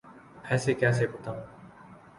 ایسے کیسے بتاؤں؟